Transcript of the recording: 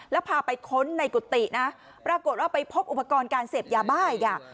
แล้วพาไปค้นในกุฏินะปรากฏว่าไปพบอุปกรณ์การเสพยาบ้าอีกอ่ะ